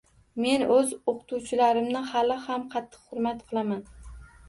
Men oʻz oʻqituvchilarimni hali ham qattiq hurmat qilaman!